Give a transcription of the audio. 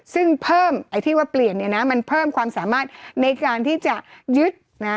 ซึ่งเพิ่มไอ้ที่ว่าเปลี่ยนเนี่ยนะมันเพิ่มความสามารถในการที่จะยึดนะ